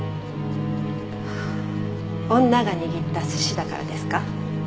女が握った寿司だからですか？